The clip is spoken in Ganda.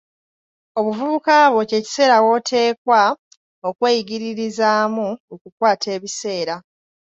Obuvubuka bwo kye kiseera woteekwa okweyigiririzaamu okukwata ebiseera.